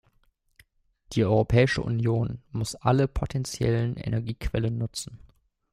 Die Europäische Union muss alle potentiellen Energiequellen nutzen.